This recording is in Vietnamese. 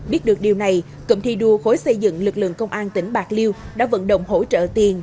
biết được điều này cụm thi đua khối xây dựng lực lượng công an tỉnh bạc liêu đã vận động hỗ trợ tiền